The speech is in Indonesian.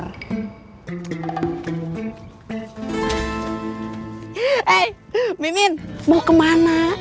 hey mimin mau kemana